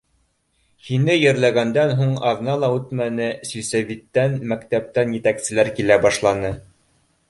Һине ерләгәндән һуң аҙна ла үтмәне, силсәвиттән, мәктәптән етәкселәр килә башланы.